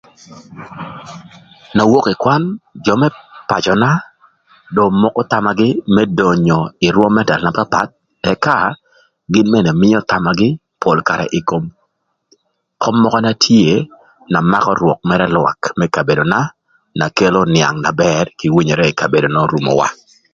Na wok ï kwan jö më pacöna dong moko thamagï më donyo ï rwöm më tëla na papath ëka gïn mënë mïö thamagï pol karë ï kom köp mökö na tye na makö rwök mërë lwak më kabedona na kelo nïang na bër kï winyere ï kabedo n'orumowa.